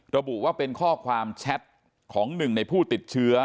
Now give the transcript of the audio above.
ระบุว่าเป็นข้อความแชทของหนึ่งในผู้ติดเชื้อ